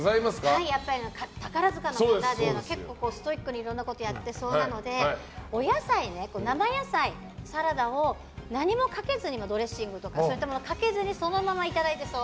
やっぱり宝塚の方で結構ストイックにいろんなことをやってそうなのでお野菜、生野菜サラダをドレッシングとかかけずにそのままいただいてそう。